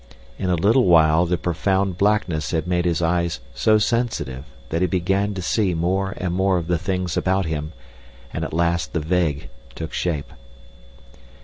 In a little while the profound blackness had made his eyes so sensitive that he began to see more and more of the things about him, and at last the vague took shape.